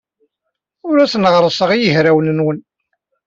Ur asen-ɣerrseɣ i yehray-nwen.